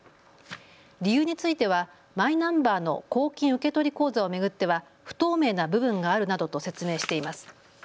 理由についてはマイナンバーの公金受取口座を巡っては不透明な部分があるなどと説明しています。